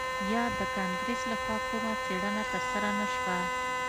یا د کانګرس لخوا کومه څیړنه ترسره نه شوه